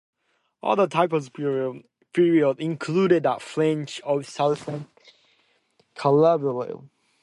Other types of the period included the French Sud Aviation Caravelle.